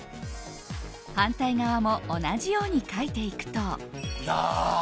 反対側も同じように描いていくと。